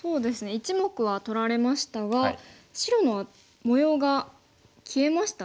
１目は取られましたが白の模様が消えましたね。